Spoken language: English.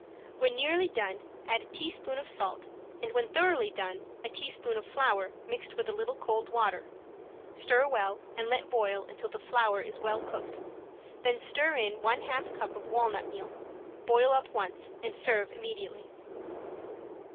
When nearly done add a teaspoon of salt and when thoroughly done a teaspoon of flour mixed with a little cold water, stir well and let boil until the flour is well cooked, then stir in one half cup of walnut meal, let boil up once, and serve immediately.